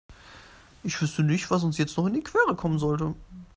Ich wüsste nicht, was uns jetzt noch in die Quere kommen sollte.